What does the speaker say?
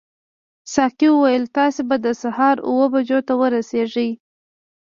ساقي وویل تاسي به د سهار اوو بجو ته ورسیږئ.